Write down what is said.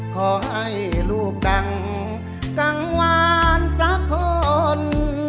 ขอให้ลูกดังกังวานสักคน